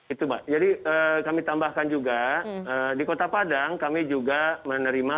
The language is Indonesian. itu mbak jadi kami tambahkan juga di kota padang kami juga menerima